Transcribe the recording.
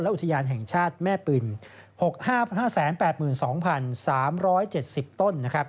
อุทยานแห่งชาติแม่ปิ่น๖๕๘๒๓๗๐ต้น